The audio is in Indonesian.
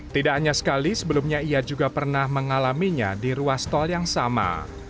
tidak hanya sekali sebelumnya ia juga pernah mengalaminya di ruas tol yang sama